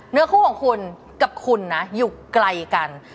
เนื้อคู่ของคุณกับคุณนะอยู่ไกลกัน